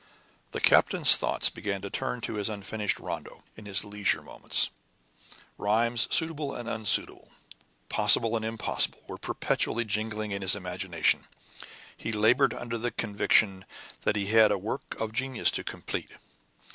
The captain's thoughts began to turn to his unfinished rondo; in his leisure moments, rhymes suitable and unsuitable, possible and impossible, were perpetually jingling in his imagination. He labored under the conviction that he had a work of genius to complete.